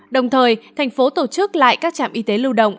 đồng thời thành phố tổ chức lại các trạm y tế lưu động